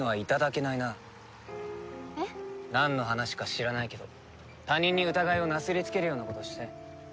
なんの話か知らないけど他人に疑いをなすりつけるようなことして。